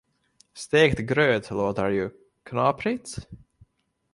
Stekt gröt låter ju… knaprigt?